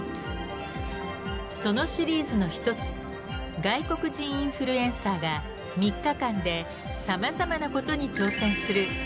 そのシリーズの一つ外国人インフルエンサーが３日間でさまざまなことに挑戦する